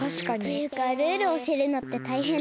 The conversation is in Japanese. というかルールおしえるのってたいへんだね。